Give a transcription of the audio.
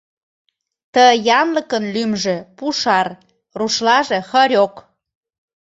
— Ты янлыкын лӱмжӧ — пушар, рушлаже — хорёк.